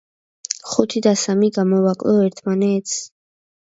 ხუთი და სამი გამოვაკლო ერთმანეთს?